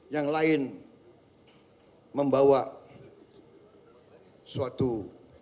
yang lain membawa suatu